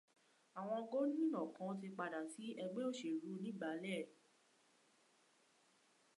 Awọn gómìnà kankan ti padà sí ẹgbẹ́ òṣèlú onígbàálẹ̀.